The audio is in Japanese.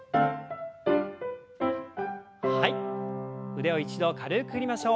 腕を一度軽く振りましょう。